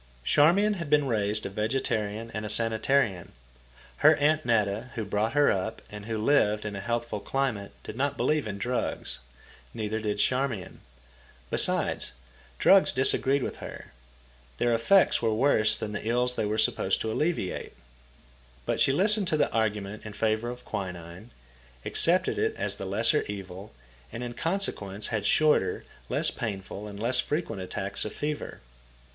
Charmian had been raised a vegetarian and a sanitarian. Her Aunt Netta, who brought her up and who lived in a healthful climate, did not believe in drugs. Neither did Charmian. Besides, drugs disagreed with her. Their effects were worse than the ills they were supposed to alleviate. But she listened to the argument in favour of quinine, accepted it as the lesser evil, and in consequence had shorter, less painful, and less frequent attacks of fever.